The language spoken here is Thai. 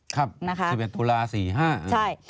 ครับ๑๑ธุลา๔๕นะครับใช่